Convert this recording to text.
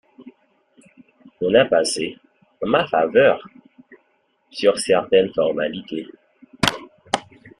On a passé, en ma faveur, sur certaines formalités.